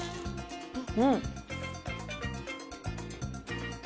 うん！